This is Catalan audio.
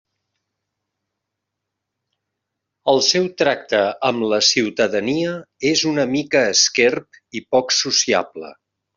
El seu tracte amb la ciutadania és una mica esquerp i poc sociable.